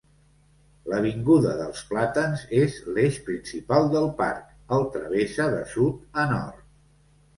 L'avinguda dels plàtans és l'eix principal del parc: el travessa de sud a nord.